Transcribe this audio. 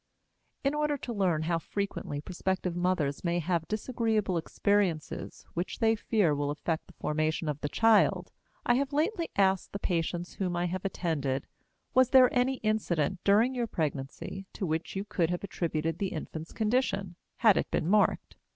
In order to learn how frequently prospective mothers may have disagreeable experiences which they fear will affect the formation of the child, I have lately asked the patients whom I have attended, "Was there any incident during your pregnancy to which you could have attributed the infant's condition, had it been marked?"